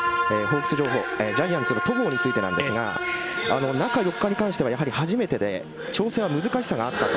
ジャイアンツの戸郷についてなんですが中４日に関しては初めてで調整は難しさがあったと。